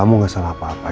kamu gak salah apa apa